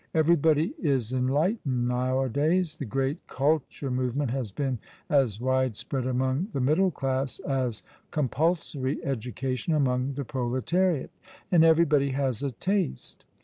Everybody is enlightened nowadays. The great " culture " movement has been as widespread among the middle class as compulsory education among the proletariat, and everybody has "a taste."